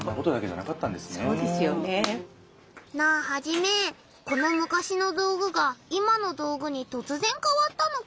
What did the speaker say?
なあハジメこのむかしの道具が今の道具にとつぜん変わったのか？